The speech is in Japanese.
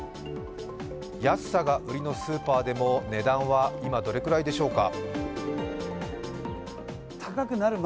安さが売りのスーパーでも値段は今、どれくらいでしょうか。